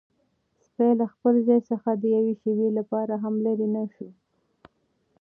سپی له خپل ځای څخه د یوې شېبې لپاره هم لیرې نه شو.